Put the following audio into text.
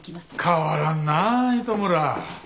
変わらんなあ糸村。